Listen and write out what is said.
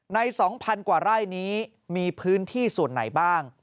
๒๐๐๐กว่าไร่นี้มีพื้นที่ส่วนไหนบ้าง